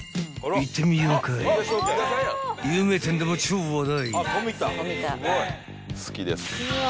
［いってみようかい有名店でも超話題］